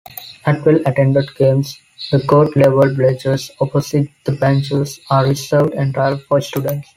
At well-attended games, the court-level bleachers opposite the benches are reserved entirely for students.